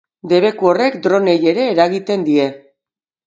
Debeku horrek dronei ere eragiten die.